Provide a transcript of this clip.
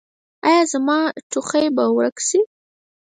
ایا زما ټوخی به ورک شي؟